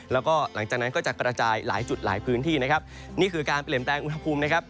แล้วก็หลังจากนั้นก็จะกระจายหลายจุดหลายพื้นที่นะครับนี่คือการเปลี่ยนแปลงอุณหภูมินะครับ